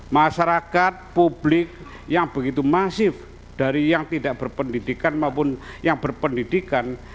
masyarakat publik yang begitu masif dari yang tidak berpendidikan maupun yang berpendidikan